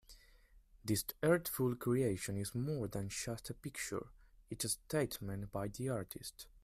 This artful creation is more than just a picture, it's a statement by the artist.